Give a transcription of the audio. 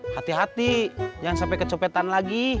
hati hati jangan sampai kecopetan lagi